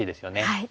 はい。